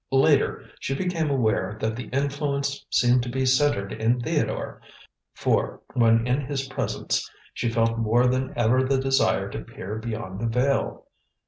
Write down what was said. Later, she became aware that the Influence seemed to be centred in Theodore, for when in his presence she felt more than ever the desire to peer behind the veil.